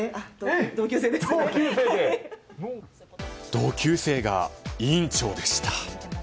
同級生が、委員長でした。